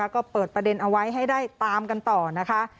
ก็เปิดประเด็นเอาไว้ให้ได้ตามกันต่อนะคะ